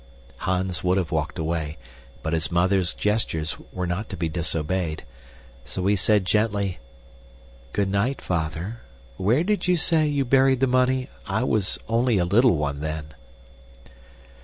Hans would have walked away, but his mother's gestures were not to be disobeyed. So he said gently, "Good night, Father. Where did you say you buried the money? I was only a little one then."